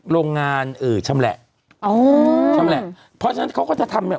โรงงานเอ่อชำแหละอ๋อชำแหละเพราะฉะนั้นเขาก็จะทำแบบ